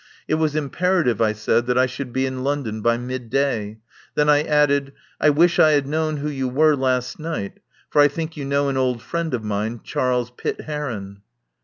It was imperative, I said, that I should be in London by midday. Then I added: "I wish I had known who you were last night, for I think you know an old friend of mine, Charles Pitt Heron."